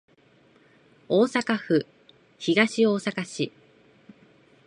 大阪府東大阪市